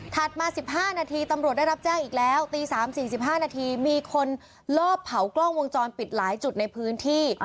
มา๑๕นาทีตำรวจได้รับแจ้งอีกแล้วตี๓๔๕นาทีมีคนลอบเผากล้องวงจรปิดหลายจุดในพื้นที่